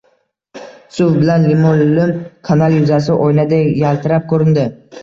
Suv bilan limmo-lim kanal yuzasi oynadek yaltirab ko`rindi